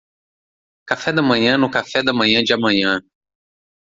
Café da manhã no café da manhã de amanhã